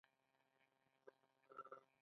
سړي تېږې ته لاس کړ، تواب چيغه کړه!